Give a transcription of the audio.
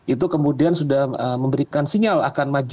itu kemudian sudah memberikan sinyal akan maju